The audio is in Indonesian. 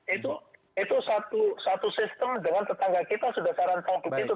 itu satu sistem dengan tetangga kita sudah terancang begitu